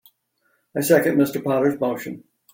I second Mr. Potter's motion.